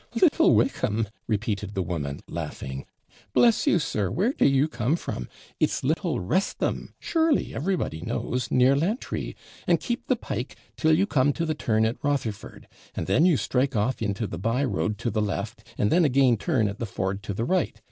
Little Wickham!' repeated the woman, laughing ' Bless you, sir, where do you come from? It's Little Wrestham; surely everybody knows, near Lantry; and keep the PIKE till you come to the turn at Rotherford, and then you strike off into the by road to the left, and then again turn at the ford to the right.